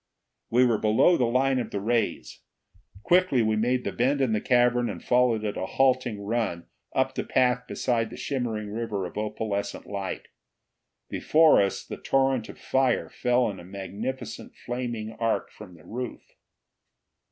We were below the line of the rays. Quickly we made the bend in the cavern and followed at a halting run up the path beside the shimmering river of opalescent light. Before us the torrent of fire fell in a magnificent flaming arc from the roof.